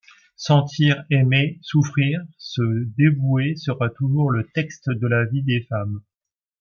Sentir, aimer, souffrir, se dévouer, sera toujours le texte de la vie des femmes.